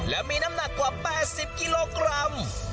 และมีน้ำหนักกว่า๘๐กิโลกรัม